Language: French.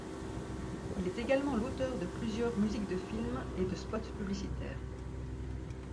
Il est également l’auteur de plusieurs musiques de films et de spots publicitaires.